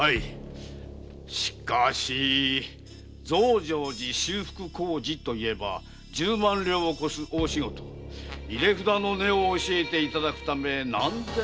しかし増上寺修復工事といえば十万両を超す大仕事。入れ札の値を教えていただくため何千両御前様に献上したことか。